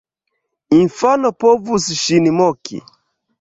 Infano povus ŝin moki.